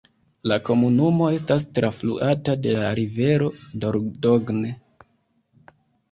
La komunumo estas trafluata de la rivero Dordogne.